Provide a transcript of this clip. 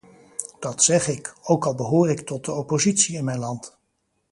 Dat zeg ik, ook al behoor ik tot de oppositie in mijn land.